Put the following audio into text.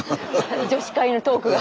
女子会のトークが。